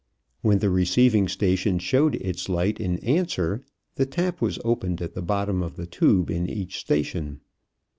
When the receiving station showed its light in answer, the tap was opened at the bottom of the tube in each station.